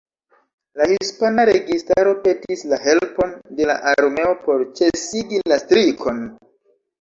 La hispana registaro petis la helpon de la armeo por ĉesigi la strikon.